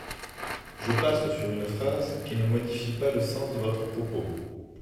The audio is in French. Je passe sur une phrase qui ne modifie pas le sens de votre propos.